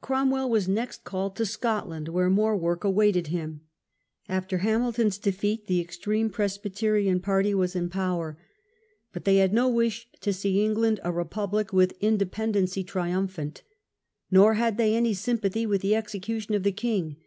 Cromwell was next called to Scotland, where more work awaited him. After Ha milton's defeat the extreme Presbyterian party was in 62 PRINCE CHARLES AND SCOTLAND. power. But they had no wish to see England a Republic with Independency triumphant. Nor had they any sym pathy with the execution of the king.